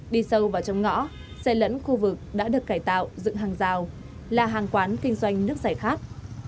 đi sâu vào trong ngõ xe lẫn khu vực đã được cải tạo dựng hàng rào là hàng quán kinh doanh nước giải khát